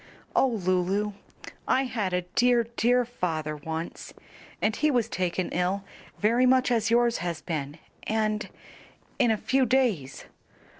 "O Lulu, I had a dear, dear father once, and he was taken ill very much as yours has been and in a few days.